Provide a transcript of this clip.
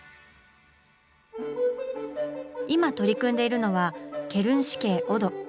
今取り組んでいるのは「ケルン市警オド」。